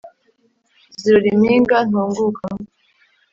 zirora impinga ntungukamo